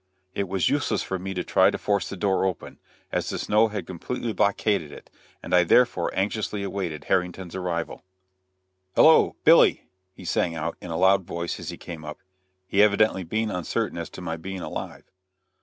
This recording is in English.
It was useless for me to try to force the door open, as the snow had completely blockaded it, and I therefore anxiously awaited Harrington's arrival. "Hello! Billy!" he sang out in a loud voice as he came up, he evidently being uncertain as to my being alive.